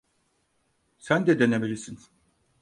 Sen de denemelisin.